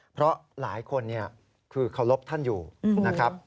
เพราะหลายคนคือเคารพท่านอยู่นะครับ